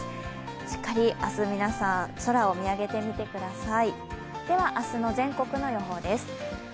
しっかり明日皆さん空を見上げてください。